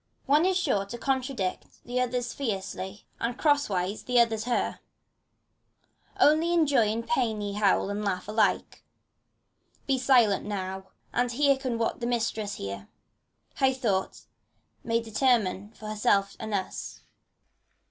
One is sure to contradict The others fiercely, and. cross wise the others hers 156 FAUST, Only in joy and pain ye howl and laugh alike. Be silent now, and hearken what the Mistress here, High thoughted, may determine for herself and ns!